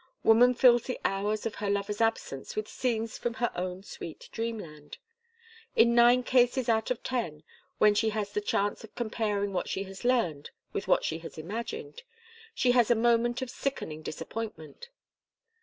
Woman fills the hours of her lover's absence with scenes from her own sweet dreamland. In nine cases out of ten, when she has the chance of comparing what she has learned with what she has imagined, she has a moment of sickening disappointment.